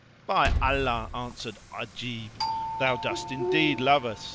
"By Allah," answered Ajib, "thou dost indeed love us!